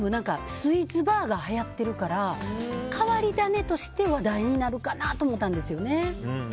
スイーツバーガーがはやってるから変わり種として話題になるかなと思ったんですよね。